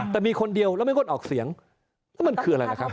แต่มีคนเดียวแล้วไม่งดออกเสียงแล้วมันคืออะไรล่ะครับ